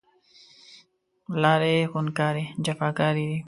لارې خونکارې، جفاکارې دی